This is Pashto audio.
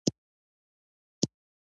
محاذونو ته یې قواوې واستولې.